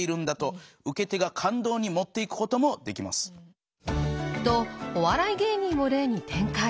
当然。とお笑い芸人を例に展開。